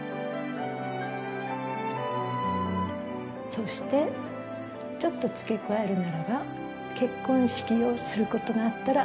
そしてちょっと付け加えるならば結婚式をすることがあったら。